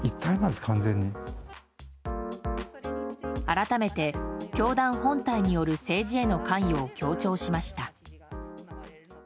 改めて、教団本体による政治への関与を強調しました。